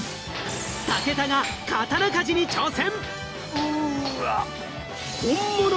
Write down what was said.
武田が刀鍛冶に挑戦。